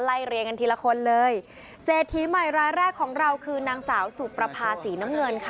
เรียงกันทีละคนเลยเศรษฐีใหม่รายแรกของเราคือนางสาวสุประภาษีน้ำเงินค่ะ